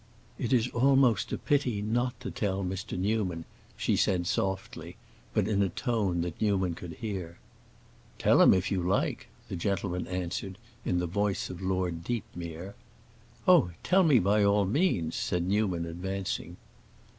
"It is almost a pity not to tell Mr. Newman," she said softly, but in a tone that Newman could hear. "Tell him if you like!" the gentleman answered, in the voice of Lord Deepmere. "Oh, tell me by all means!" said Newman advancing.